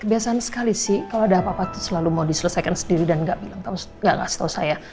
kebiasaan sekali sih kalau ada apa apa itu selalu mau diselesaikan sendiri dan nggak setahu saya